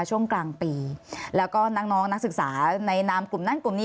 ช่วงกลางปีแล้วก็น้องน้องนักศึกษาในนามกลุ่มนั้นกลุ่มนี้